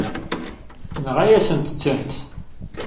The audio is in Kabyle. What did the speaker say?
Tenɣa-yasent-tent.